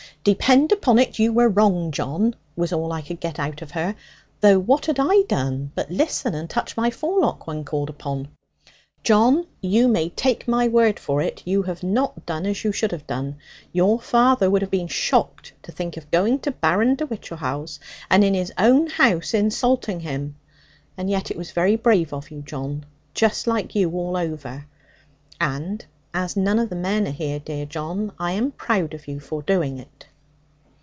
'Depend upon it you were wrong, John,' was all I could get out of her; though what had I done but listen, and touch my forelock, when called upon. 'John, you may take my word for it, you have not done as you should have done. Your father would have been shocked to think of going to Baron de Whichehalse, and in his own house insulting him! And yet it was very brave of you John. Just like you, all over. And (as none of the men are here, dear John) I am proud of you for doing it.'